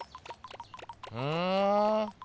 ふん？